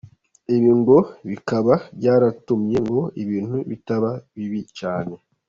Ibi ngo bikaba byaratumye ngo ibintu bitaba bibi cyane.